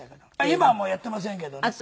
今はもうやっていませんけどね。